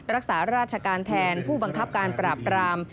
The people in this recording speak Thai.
รักษาราชการแทนผู้บังคับการปราบราม